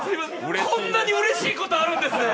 こんなにうれしいことあるんですね。